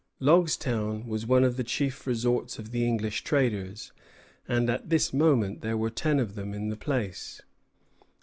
Logstown was one of the chief resorts of the English traders; and at this moment there were ten of them in the place.